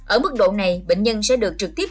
ở mức độ này bệnh nhân sẽ được trực tiếp